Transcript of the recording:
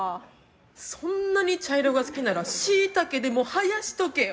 そんなに茶色が好きならシイタケでも生やしとけよ！